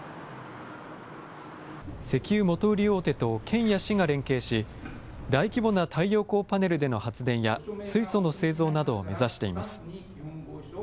石油元売り大手と県や市が連携し、大規模な太陽光パネルでの発電や水素の製造などを目指しています。